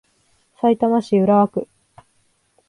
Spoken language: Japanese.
さいたま市浦和区